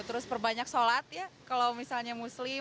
terus perbanyak sholat ya kalau misalnya muslim atau perbanyak ke gereja gitu